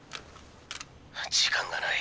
時間がない。